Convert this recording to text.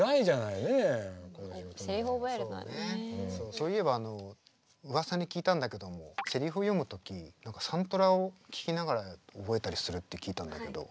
そういえばうわさに聞いたんだけどもセリフを読む時何かサントラを聴きながら覚えたりするって聞いたんだけど本当？